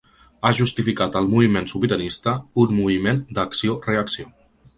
Ha justificat el moviment sobiranista: un moviment d’acció-reacció.